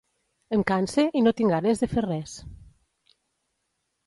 Em canse i no tinc ganes de fer res.